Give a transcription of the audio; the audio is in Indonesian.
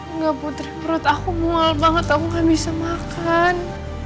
enggak putri perut aku mual banget aku gak bisa makan